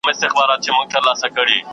ونې د طبیعي توازن ساتلو کې مهم رول ادا کوي.